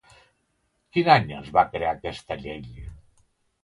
Quin any es va crear aquesta llei?